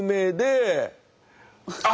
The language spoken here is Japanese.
あ！